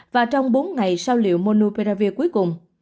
và trong bốn ngày sau liệu monopiravir cuối cùng